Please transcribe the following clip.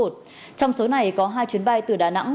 trong số này có hai chuyến bay từ đà nẵng